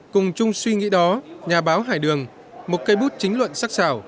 cùng chung suy nghĩ đó nhà báo hải đường một cây bút chính luận sắc xảo